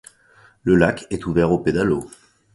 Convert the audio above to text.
Le lac est ouvert aux pédalos.